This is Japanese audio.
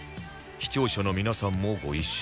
視聴者の皆さんもご一緒に